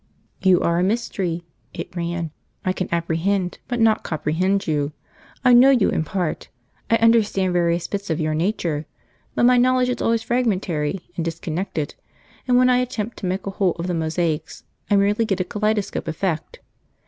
"You are a mystery!" [it ran.] "I can apprehend, but not comprehend you. I know you in part. I understand various bits of your nature; but my knowledge is always fragmentary and disconnected, and when I attempt to make a whole of the mosaics I merely get a kaleidoscopic effect.